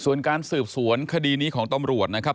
ส่วนการสืบสวนคดีนี้ของตำรวจนะครับ